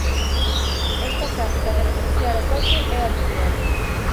Esta práctica de renunciar ao coche é habitual.